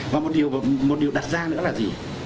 và một điều đặt ra nữa là gì